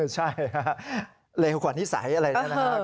ใช่ลึกกว่านิสัยอะไรนะ